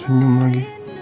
senyum senyum lagi